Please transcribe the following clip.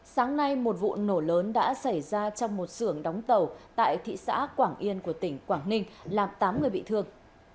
sáng nay một vụ nổ lớn đã xảy ra trong một xưởng đóng tàu tại thị xã quảng yên của tỉnh quảng ninh làm tám người bị thương